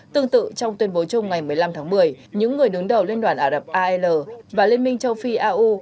tương tự trong tuyên bố chung ngày một mươi năm tháng một mươi những người đứng đầu liên đoàn ả rập al và liên minh châu phi au